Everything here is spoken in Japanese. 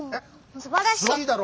すばらしいだろ？